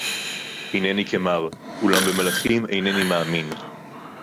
הִנְנִי כֹּמֶר, אוּלָם בְּמַלְאָכִים אֵינֶנִּי מַאֲמִין.